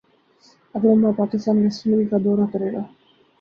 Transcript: اگلے ماہ Pakistan West Indies کا دورہ کرے گا